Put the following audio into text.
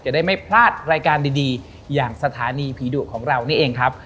ได้ไม่พลาดรายการดีอย่างสถานีผีดุของเรานี่เองครับ